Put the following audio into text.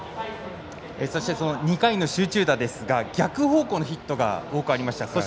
そしてその２回の集中打ですが逆方向のヒットが多くありました。